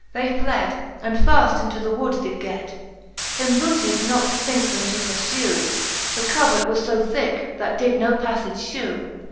They fled, and faft into the wood did get : Him booted not to thinke them to purfew, The covert was fo thicke, that did no paffage (hew.